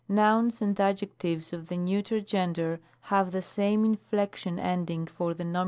Nouns and adjectives of the neuter gender have the same inflection ending for the Nom.